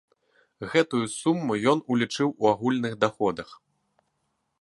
Гэтую суму ён улічыў у агульных даходах.